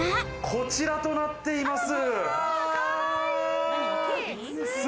こちらとなっています。